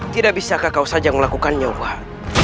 tidak bisakah kau saja melakukannya wah